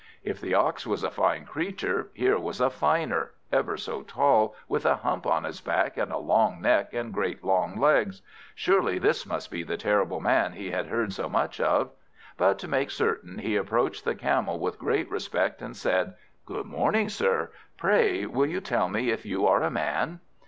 If the Ox was a fine creature, here was a finer; ever so tall, with a hump on his back, and a long neck, and great long legs. Surely this must be the terrible Man he had heard so much of. But to make certain, he approached the Camel with great respect, and said "Good morning, sir. Pray, will you tell me if you are a Man?"